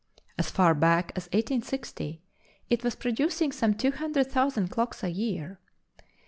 As far back as 1860, it was producing some two hundred thousand clocks a year.